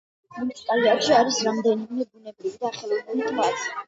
მუნიციპალიტეტში არის რამდენიმე ბუნებრივი და ხელოვნური ტბაც.